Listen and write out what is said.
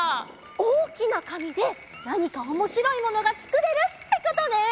おおきなかみでなにかおもしろいものがつくれるってことね！